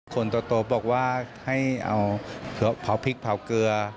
คนโตบอกว่าให้เอาเผาพริกเผาเกลือ